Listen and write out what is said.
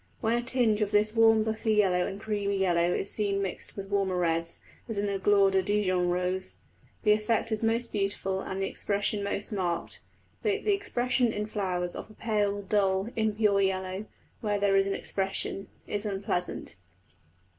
When a tinge of this warm buffy yellow and creamy yellow is seen mixed with warmer reds, as in the Gloire de Dîjon rose, the effect is most beautiful and the expression most marked. But the expression in flowers of a pale dull, impure yellow, where there is an expression, is unpleasant.